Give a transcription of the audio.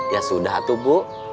ya sudah tuh bu